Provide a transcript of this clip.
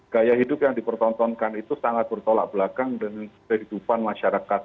gaya hidup yang dipertontonkan itu sangat bertolak belakang dengan kehidupan masyarakat